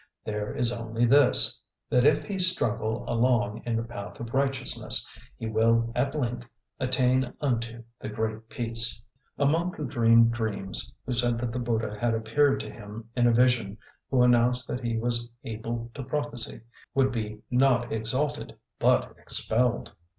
There is only this: that if he struggle along in the path of righteousness, he will at length attain unto the Great Peace. A monk who dreamed dreams, who said that the Buddha had appeared to him in a vision, who announced that he was able to prophesy, would be not exalted, but expelled.